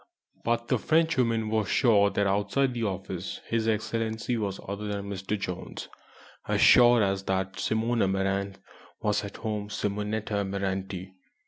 But the Frenchwoman was sure that outside the office HE was other than "Mr. Jones," as sure as that Simone Amaranthe was at home Simonetta Amaranti.